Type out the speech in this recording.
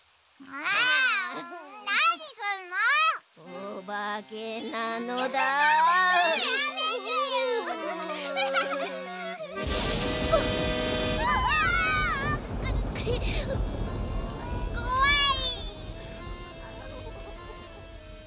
あ！こわい。